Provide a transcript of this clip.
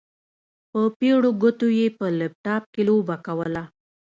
په پېړو ګوتو يې په لپټاپ کې لوبه کوله.